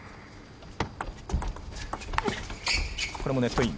これもネットイン。